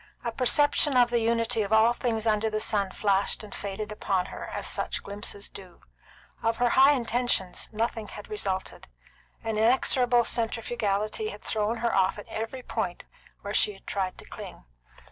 A perception of the unity of all things under the sun flashed and faded upon her, as such glimpses do. Of her high intentions, nothing had resulted. An inexorable centrifugality had thrown her off at every point where she tried to cling.